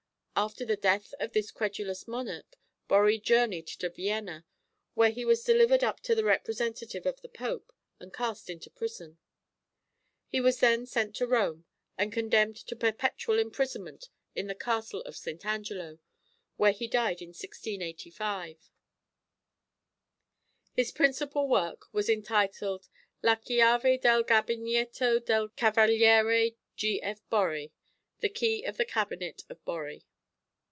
After the death of this credulous monarch Borri journeyed to Vienna, where he was delivered up to the representative of the Pope, and cast into prison. He was then sent to Rome, and condemned to perpetual imprisonment in the Castle of St. Angelo, where he died in 1685. His principal work was entitled La Chiave del gabineito del cavagliere G. F. Borri (The key of the cabinet of Borri).